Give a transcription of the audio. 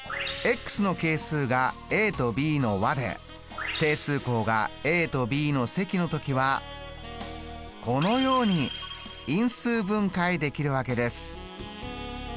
の係数がとｂの和で定数項がとｂの積の時はこのように因数分解できるわけです。